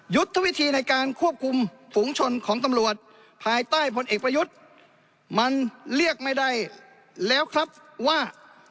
ยุทธวิธีในการควบคุมฝุงชนของตำรวจภายใต้ผลเอกประยุทธ์มันเรียกไม่ได้แล้วครับว่า